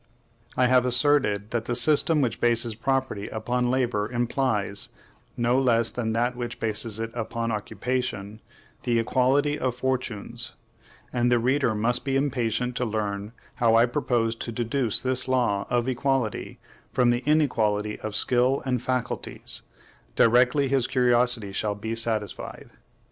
I have asserted that the system which bases property upon labor implies, no less than that which bases it upon occupation, the equality of fortunes; and the reader must be impatient to learn how I propose to deduce this law of equality from the inequality of skill and faculties: directly his curiosity shall be satisfied.